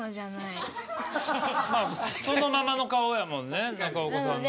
まあそのままの顔やもんね中岡さんのね。